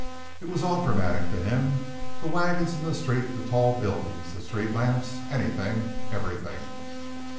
It was all dramatic to him the wagons in the streets, the tall buildings, the street lamps anything, everything.